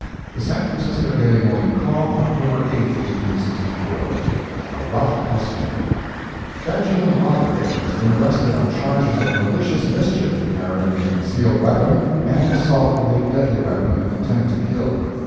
The San Francisco Daily Morning Call, October 8, 1864 A ROUGH CUSTOMER Benjamin Roderick has been arrested on charges of malicious mischief, carrying a concealed weapon, and assault with a deadly weapon with intent to kill.